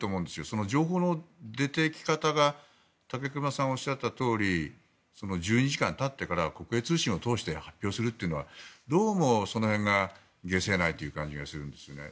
その情報の出てき方が武隈さんがおっしゃったとおり１２時間たってから国営通信を通して発表するというのはどうもその辺が解せないという感じがするんですよね。